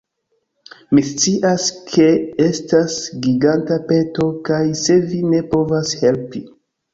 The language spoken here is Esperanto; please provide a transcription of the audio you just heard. Mi scias, ke estas giganta peto kaj se vi ne povas helpi